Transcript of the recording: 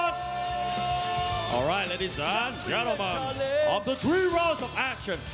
เจ้าเจ้าท่านผู้ชมครับจาก๓ราวน์ของการการ